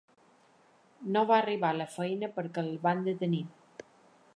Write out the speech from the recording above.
No va arribar a la feina perquè el van detenir.